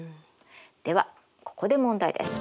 ではここで問題です。